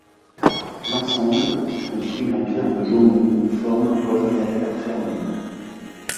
L’ensemble, construit en pierre de Jaumont, forme un quadrilatère fermé.